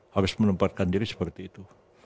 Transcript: harus menempatkan diri seperti itu